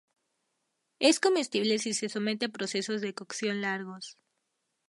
Es comestible si se somete a procesos de cocción largos.